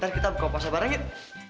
kan kita buka puasa barengin